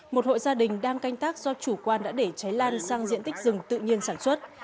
một hộ gia đình đang canh tác do chủ quan đã để cháy lan sang diện tích rừng tự nhiên sản xuất